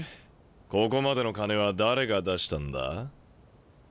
ここまでの金は誰が出したんだ？